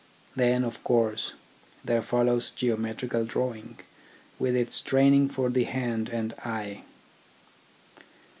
Then, of course, there follows Geometrical Drawing, with its training for the hand and eye.